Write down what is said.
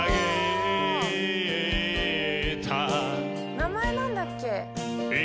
名前、なんだっけ？